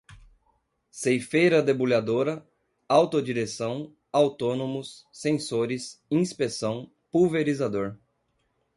ceifeira-debulhadora, autodireção, autônomos, sensores, inspeção, pulverizador